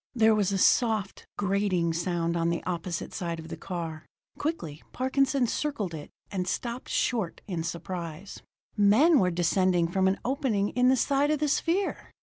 There was a soft, grating sound on the opposite side of the car. Quickly, Parkinson circled it and stopped short in surprise. Men were descending from an opening in the side of the sphere!